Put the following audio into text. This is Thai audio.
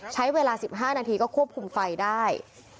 ใช้เวลา๑๕นาทีก็ควบคุมไฟได้